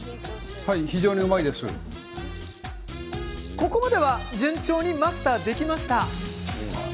ここまでは順調にマスターできました。